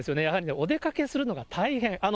やはりね、お出かけするのが大変。